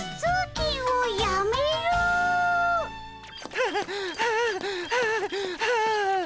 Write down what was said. はあはあはあはあ。